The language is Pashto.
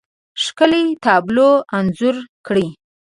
ښکلې، تابلو انځور کړي